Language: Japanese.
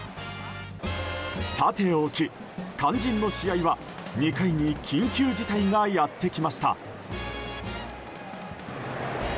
さておき、肝心の試合は２回に緊急事態がやってきました。